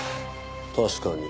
確かに。